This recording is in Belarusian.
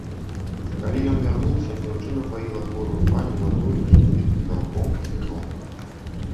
Калі ён вярнуўся, дзяўчына паіла хворую пані вадою з узбітым бялком і віном.